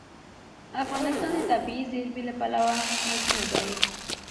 افغانستان د طبیعي زیرمې له پلوه متنوع دی.